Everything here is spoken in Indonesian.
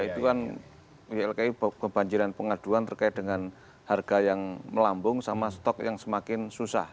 itu kan ylki kebanjiran pengaduan terkait dengan harga yang melambung sama stok yang semakin susah